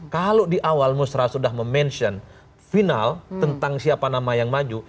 kalau di awal musrah sudah memention final tentang siapa nama yang maju